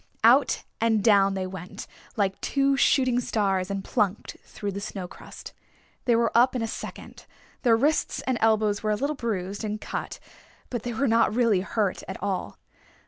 Out and down they went like two shooting stars and plunked through the snowcrust. They were up in a second. Their wrists and elbows were a little bruised and cut, but they were not really hurt at all.